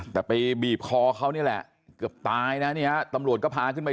แต่ไปบีบคอเขานี่แหละเกือบตายนะเนี่ยตำรวจก็พาขึ้นไป